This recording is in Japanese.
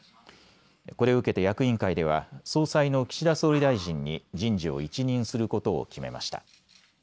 これを受けて役員会では総裁の岸田総理大臣に人事を一任することを決めました。